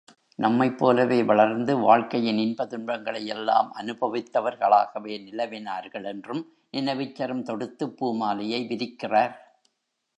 நம்மைப்போலவே வளர்ந்து வாழ்க்கையின் இன்பதுன்பங்களை யெல்லாம் அனுபவித்தவர்களாகவே நிலவினார்கள்! என்றும் நினைவுச்சரம் தொடுத்துப் பூமாலையை விரிக்கிறார்.